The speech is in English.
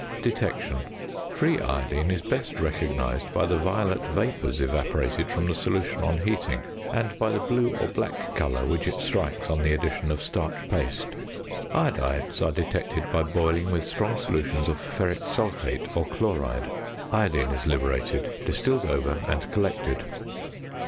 ~Detection.~ Free iodine is best recognised by the violet vapours evolved from the solution on heating, and by the blue or black colour which it strikes on the addition of starch paste. Iodides are detected by boiling with strong solutions of ferric sulphate or chloride. Iodine is liberated, distilled over, and collected.